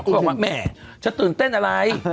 เขาบอกว่าแหมจะตื่นเต้นอะไร